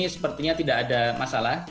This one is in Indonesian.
sepertinya tidak ada masalah